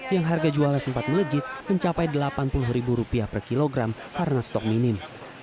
yang harga jualnya sempat melejit mencapai rp delapan puluh per kilogram karena stok minim